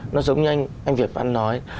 nó giống như anh việt văn nói